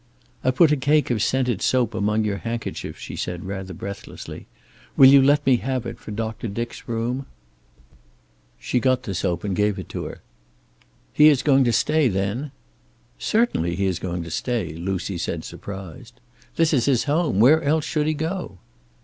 "I put a cake of scented soap among your handkerchiefs," she said, rather breathlessly. "Will you let me have it for Doctor Dick's room?" She got the soap and gave it to her. "He is going to stay, then?" "Certainly he is going to stay," Lucy said, surprised. "This is his home. Where else should he go?"